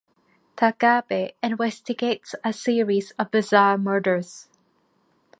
Takabe investigates a series of bizarre murders.